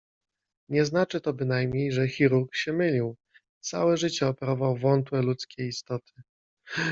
Nie znaczy to bynajmniej, że chirurg się mylił. Całe życie operował wątłe ludzkie istoty